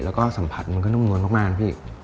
แล้วก็สัมผัสมันก็นุ่มนวลมากนะพี่